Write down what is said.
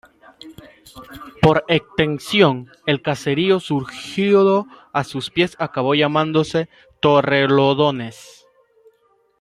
Por extensión, el caserío surgido a sus pies acabó llamándose Torrelodones.